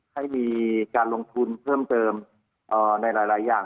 ให้มีการลงทุนเพิ่มเติมในหลายอย่าง